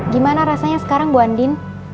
gimana rasanya sekarang bu andin